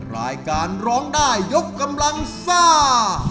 รายการร้องได้ยกกำลังซ่า